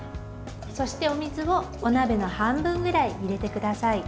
そして、お水をお鍋の半分ぐらい入れてください。